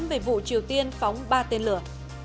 về vụ triều tiên phóng ba tên lửa